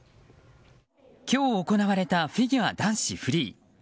今日行われたフィギュア男子フリー。